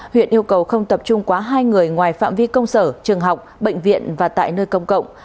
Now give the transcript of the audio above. huyện yêu cầu không tập trung quá hai người ngoài phạm vi công sở trường học bệnh viện và tại nơi công cộng